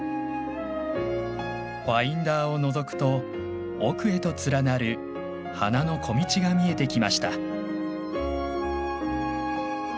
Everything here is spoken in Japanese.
ファインダーをのぞくと奥へと連なる花の小道が見えてきました。